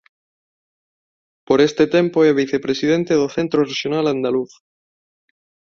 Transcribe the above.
Por este tempo é vicepresidente do Centro Rexional Andaluz.